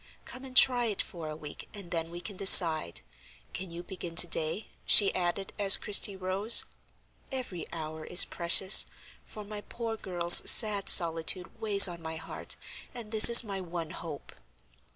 Come and try it for a week and then we can decide. Can you begin to day?" she added, as Christie rose. "Every hour is precious, for my poor girl's sad solitude weighs on my heart, and this is my one hope."